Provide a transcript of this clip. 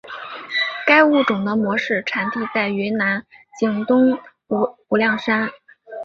该物种的模式产地在云南景东无量山。